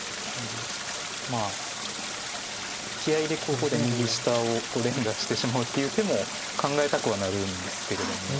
まあ気合いでここで右下を連打してしまうっていう手も考えたくはなるんですけども。